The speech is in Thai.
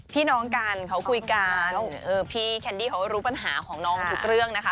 พี่น้องกันเขาคุยกันพี่แคนดี้เขารู้ปัญหาของน้องทุกเรื่องนะคะ